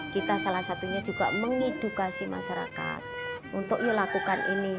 kita salah satunya juga mengedukasi masyarakat untuk yuk lakukan ini